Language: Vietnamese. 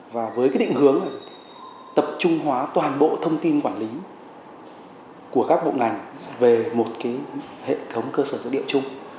và với cái định hướng tập trung hóa toàn bộ thông tin quản lý của các bộ ngành về một hệ thống cơ sở dữ liệu chung